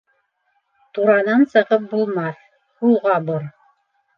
Туранан сығып булмаҫ, һулға бор.